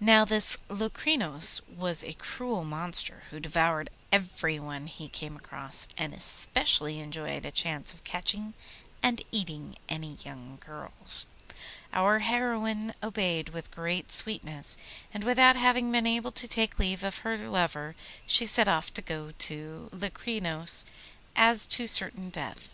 Now this Locrinos was a cruel monster who devoured everyone he came across, and especially enjoyed a chance of catching and eating any young girls. Our heroine obeyed with great sweetness, and without having been able to take leave of her lover she set off to go to Locrinos as to certain death.